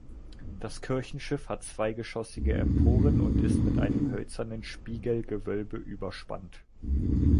Das Kirchenschiff hat zweigeschossige Emporen und ist mit einem hölzernen Spiegelgewölbe überspannt.